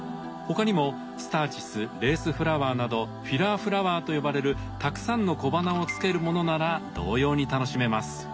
他にもスターチスレースフラワーなどフィラーフラワーと呼ばれるたくさんの小花をつけるものなら同様に楽しめます。